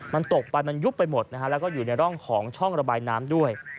มันตกไปมันยุบไปหมดนะฮะแล้วก็อยู่ในร่องของช่องระบายน้ำด้วย